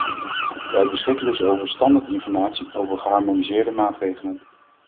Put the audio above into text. Wij beschikken dus over standaardinformatie over geharmoniseerde maatregelen.